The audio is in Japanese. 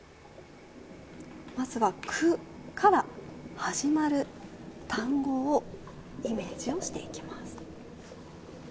まずは「く」から始まる単語をイメージしていきます。